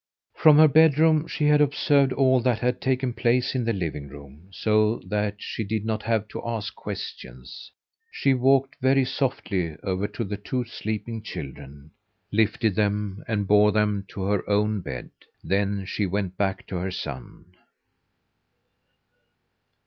From her bedroom she had observed all that had taken place in the living room, so that she did not have to ask questions. She walked very softly over to the two sleeping children, lifted them, and bore them to her own bed. Then she went back to her son.